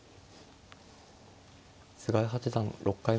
菅井八段６回目の。